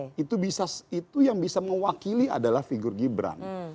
sisi politik itu yang bisa mewakili adalah figur gibran